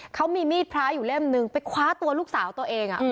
เขามีมีดพระอยู่เล่มนึงไปคว้าตัวลูกสาวตัวเอง